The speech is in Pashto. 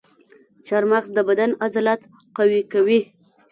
چارمغز د بدن عضلات قوي کوي.